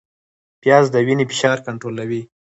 پیاز د وینې فشار کنټرولوي